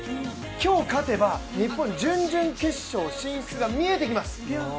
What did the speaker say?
今日勝てば日本、準々決勝進出が見えてきます。